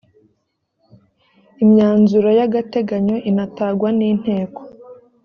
imyanzuro y ‘agateganyo itanagwa ninteko.